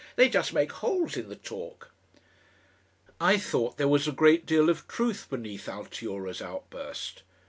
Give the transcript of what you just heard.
They just make holes in the talk...." I thought there was a great deal of truth beneath Altiora's outburst.